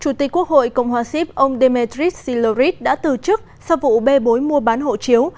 chủ tịch quốc hội cộng hòa xíp ông dmitris silurit đã từ chức sau vụ bê bối mua bán hộ chiếu